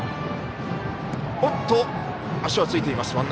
おっと、足はついています。